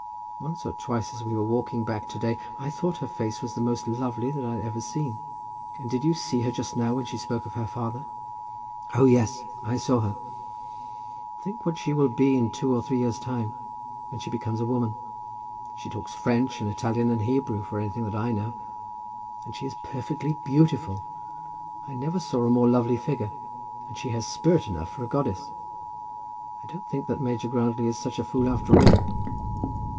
Once or twice as we were walking back to day, I thought her face was the most lovely that I had ever seen. And did you see her just now, as she spoke of her father?" "Oh, yes; I saw her." "Think what she will be in two or three years' time, when she becomes a woman. She talks French, and Italian, and Hebrew for anything that I know; and she is perfectly beautiful. I never saw a more lovely figure; and she has spirit enough for a goddess. I don't think that Major Grantly is such a fool after all."